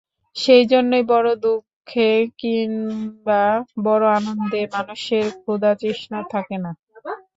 সেইজন্যেই বড়ো দুঃখে কিম্বা বড়ো আনন্দে মানুষের ক্ষুধাতৃষ্ণা থাকে না।